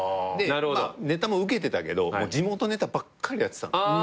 ネタもウケてたけど地元ネタばっかりやってた。